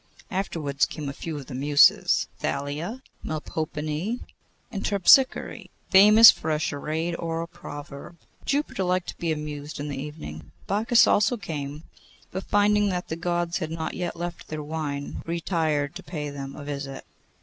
Afterwards came a few of the Muses, Thalia, Melpomene, and Terpsichore, famous for a charade or a proverb. Jupiter liked to be amused in the evening. Bacchus also came, but finding that the Gods had not yet left their wine, retired to pay them a visit.